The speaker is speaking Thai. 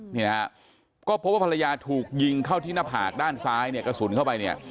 นี่นะฮะก็พบว่าภรรยาถูกยิงเข้าที่หน้าผากด้านซ้ายเนี่ยกระสุนเข้าไปเนี่ย